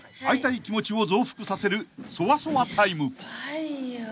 会いたい気持ちを増幅させるソワソワタイム］